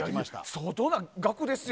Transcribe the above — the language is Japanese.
相当な額ですよ。